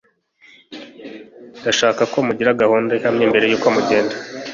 Ndashaka ko mugira gahunda ihamye mbere yuko mugenda.